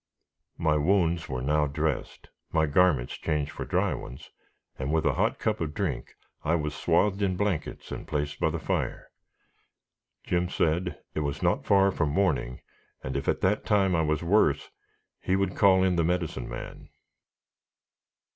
My wounds were now dressed, my garments changed for dry ones, and with a hot cup of drink, I was swathed in blankets, and placed by the fire. Jim said it was not far from morning, and if at that time I was worse, he would call in the Medicine Man.